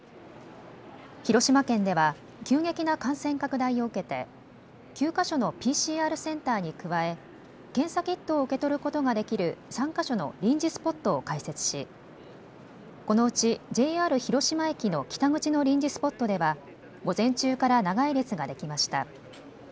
広島県では急激な感染拡大を受けて９か所のＰＣＲセンターに加え検査キットを受け取ることができる３か所の臨時スポットを開設し、このうちＪＲ広島駅の北口の臨時スポットでは午前中から長い列ができました。